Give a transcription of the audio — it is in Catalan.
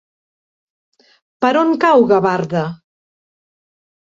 Per on cau Gavarda?